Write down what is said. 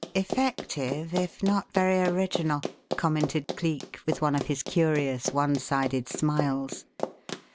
"Effective if not very original," commented Cleek, with one of his curious one sided smiles.